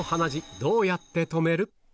どうやって止める？